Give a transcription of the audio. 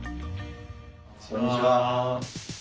こんにちは。